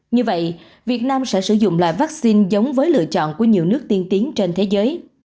như vậy việt nam sẽ sử dụng loại vaccine giống với lựa chọn của nhiều nước tiên tiến trên thế giới